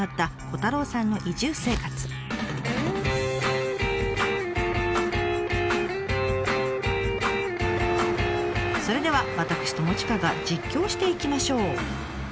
それでは私友近が実況していきましょう！